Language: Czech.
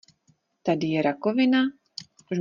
Tady je rakovina?